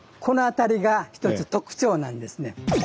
この辺りが一つ特徴なんですね。